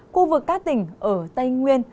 khu vực các tỉnh ở tây nguyên